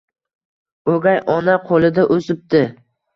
O'gay ona qo'lida o'sibdi.